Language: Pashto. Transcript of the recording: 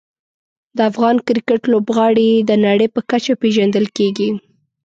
د افغان کرکټ لوبغاړي د نړۍ په کچه پېژندل کېږي.